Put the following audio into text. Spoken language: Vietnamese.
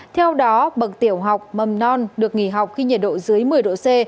theo đó bậc tiểu học mầm non được nghỉ học khi nhiệt độ dưới một mươi độ c